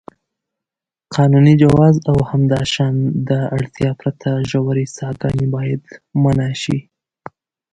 قانوني جواز او همداشان د اړتیا پرته ژورې څاګانې باید منع شي.